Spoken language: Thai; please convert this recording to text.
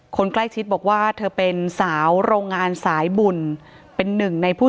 คนใกล้ชิดบอกว่าเธอเป็นสาวโรงงานสายบุญเป็นหนึ่งในผู้